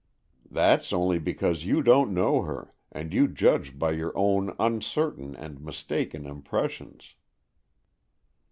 "That's only because you don't know her, and you judge by your own uncertain and mistaken impressions."